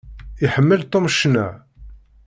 Iḥemmel Tom ccna.